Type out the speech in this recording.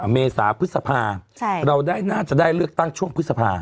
เมษาพฤษภาเราได้น่าจะได้เลือกตั้งช่วงพฤษภา